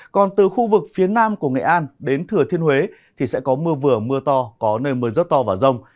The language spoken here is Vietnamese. còn từ khu vực phía nam của nghệ an đến thừa thiên huế thì sẽ có mưa vừa mưa to có nơi mưa rất to và rông